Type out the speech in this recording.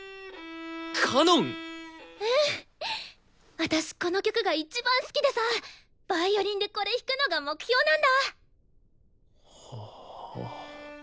私この曲がいちばん好きでさヴァイオリンでこれ弾くのが目標なんだ！